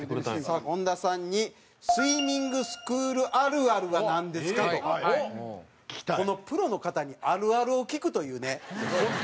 さあ本多さんに「スイミングスクールあるあるはなんですか？」と。このプロの方にあるあるを聞くというね。